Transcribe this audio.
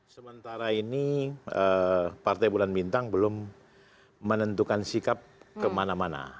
sementara ini partai bulan bintang belum menentukan sikap kemana mana